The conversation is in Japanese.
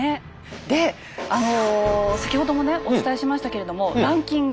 であの先ほどもねお伝えしましたけれどもランキング